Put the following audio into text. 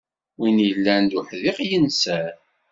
Win illan d uḥdiq, inser.